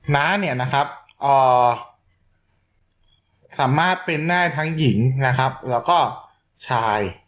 น้าสามารถเป็นหน้าทั้งหญิงแล้วก็ชาย